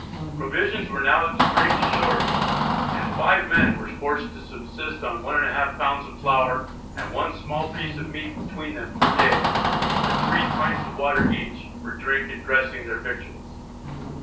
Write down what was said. Provisions were now extremely short, and 5 men were forced to subsist on 1 1/2 lb. of flour, and 1 small piece of meat between them per day, with 3 pints of water each "for drink and dressing their victuals."